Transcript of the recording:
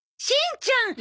しんちゃん